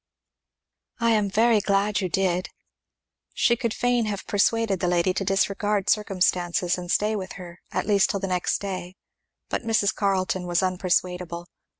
"I am very glad you did!" She could fain have persuaded the lady to disregard circumstances and stay with her, at least till the next day, but Mrs. Carleton was unpersuadable.